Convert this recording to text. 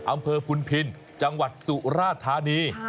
อำเภอพุนพินจังหวัดสุราธานี